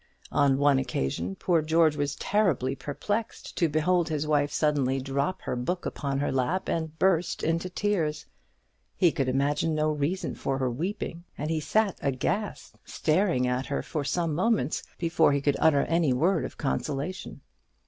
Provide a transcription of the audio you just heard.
On one occasion poor George was terribly perplexed to behold his wife suddenly drop her book upon her lap and burst into tears. He could imagine no reason for her weeping, and he sat aghast, staring at her for some moments before he could utter any word of consolation.